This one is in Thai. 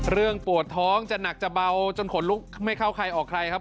ปวดท้องจะหนักจะเบาจนขนลุกไม่เข้าใครออกใครครับ